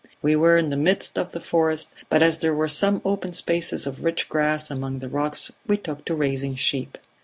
We were in the midst of the forest, but as there were some open spaces of rich grass among the rocks we took to raising sheep.